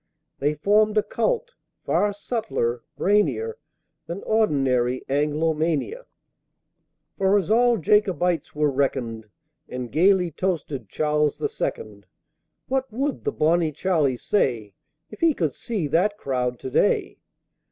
They formed a Cult, far subtler, brainier, Than ordinary Anglomania, For all as Jacobites were reckoned, And gaily toasted Charles the Second! (What would the Bonnie Charlie say, If he could see that crowd to day?)